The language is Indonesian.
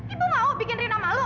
ibu mau bikin rina malu